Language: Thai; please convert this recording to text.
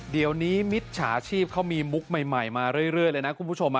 เดี๋ยวนี้มิจฉาชีพเขามีมุกใหม่มาเรื่อยเลยนะคุณผู้ชม